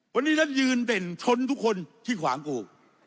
วันนี้รัฐยืนเด่นชนทุกคนที่ขวางกู